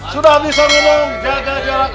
sudah bisa memang jaga jarak